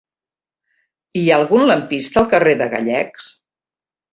Hi ha algun lampista al carrer de Gallecs?